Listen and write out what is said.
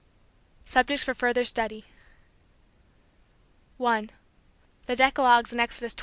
Subjects for Further Study. (1) The Decalogues in Exodus 20 23.